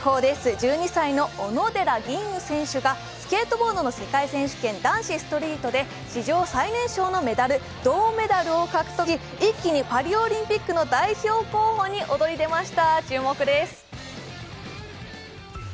１２歳の小野寺吟雲選手がスケートボードの世界選手権、男子ストリートで史上最年少のメダル、銅メダルを獲得し、一気にパリオリンピックの代表候補に躍り出ました。